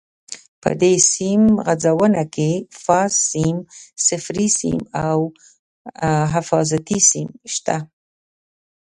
په دې سیم غځونه کې فاز سیم، صفري سیم او حفاظتي سیم شته.